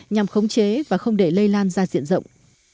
nhằm khống chế và không để lây lan ra diện rộng